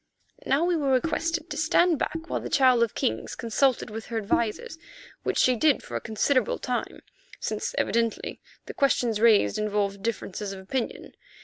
Now we were requested to stand back while the Child of Kings consulted with her advisers, which she did for a considerable time, since evidently the questions raised involved differences of opinion.